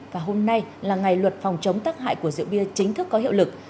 và hôm nay là ngày luật phòng chống tắc hại của rượu bia chính thức có hiệu lực